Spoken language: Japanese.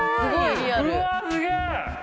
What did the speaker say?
うわー、すげえ！